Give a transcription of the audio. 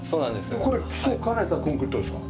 これは基礎を兼ねたコンクリートですか？